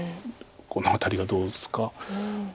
この辺りがどう打つか。